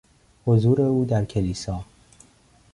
حضور او در کلیسا